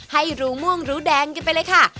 ให้รูม่วงรู้แดงกันไปเลยค่ะ